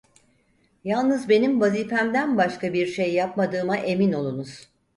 Yalnız benim vazifemden başka bir şey yapmadığıma emin olunuz.